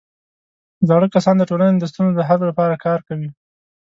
زاړه کسان د ټولنې د ستونزو د حل لپاره کار کوي